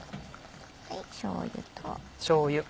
しょうゆと。